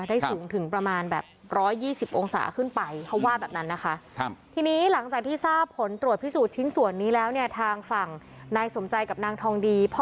ได้สูงถึงประมาณแบบ๑๒๐องศาขึ้นไป